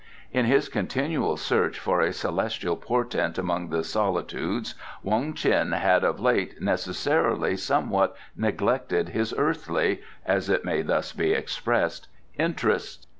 In his continual search for a celestial portent among the solitudes Wong Ts'in had of late necessarily somewhat neglected his earthly (as it may thus be expressed) interests.